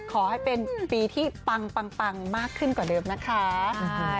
ขอให้เป็นปีที่ปังมากขึ้นกว่าเดิมนะครับ